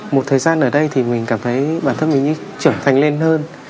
một thời gian ở đây thì mình cảm thấy bản thân mình trưởng thành lên hơn